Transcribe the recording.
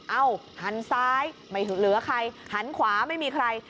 หันซ้ายไม่เหลือใครหันขวาไม่มีใคร